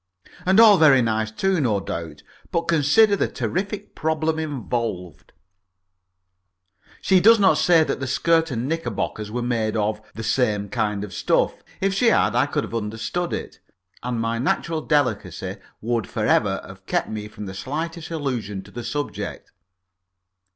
And all very nice too, no doubt. But consider the terrific problem involved. She does not say that the skirt and knickerbockers were made of the same kind of stuff. If she had, I could have understood it, and my natural delicacy would for ever have kept me from the slightest allusion to the subject.